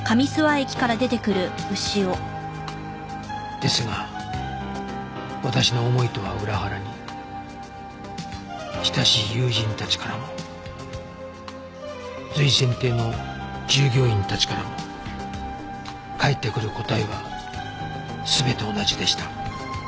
ですが私の思いとは裏腹に親しい友人たちからも瑞泉亭の従業員たちからも返ってくる答えは全て同じでした